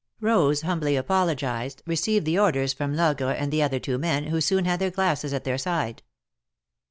Rose humbly apologized, received the orders from Logre THE MARKETS OF PARIS. 135 and the other two men, who soon had their glasses at their side.